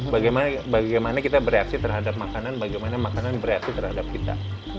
bagaimana kita bereaksi terhadap makanan bagaimana makanan bereaksi terhadap kita